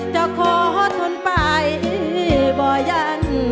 จะขอทนไปบ่ยัน